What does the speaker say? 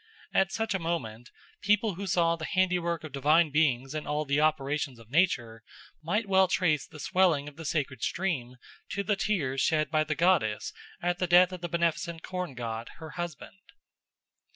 At such a moment people who saw the handiwork of divine beings in all the operations of nature might well trace the swelling of the sacred stream to the tears shed by the goddess at the death of the beneficent corn god her husband.